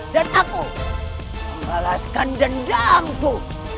dan aku membalaskan dendamku